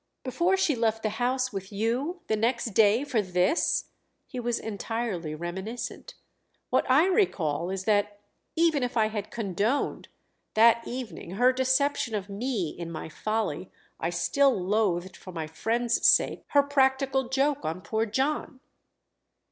"Before she left the house with you, the next day, for this?"—he was entirely reminiscent. "What I recall is that even if I had condoned—that evening—her deception of me in my folly, I still loathed, for my friend's sake, her practical joke on poor John."